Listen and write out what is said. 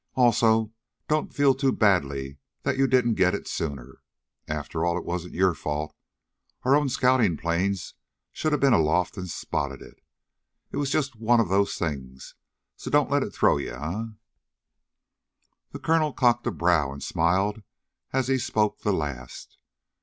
"Also, don't feel too badly that you didn't get to it sooner. After all, it wasn't your fault. Our own scouting planes should have been aloft and spotted it. It was just one of those things, so don't let it throw you, eh?" The colonel cocked a brow and smiled as he spoke the last.